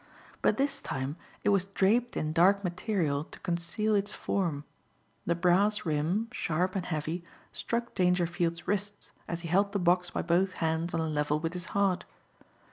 But this time it was draped in dark material to conceal its form. The brass rim, sharp and heavy, struck Dangerfield's wrists as he held the box by both hands on a level with his heart.